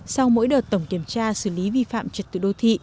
sau mỗi đợt tổng kiểm tra xử lý vi phạm trật tự đô thị